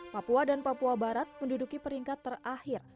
papua dan papua barat menduduki peringkat terakhir